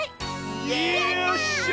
よっしゃ！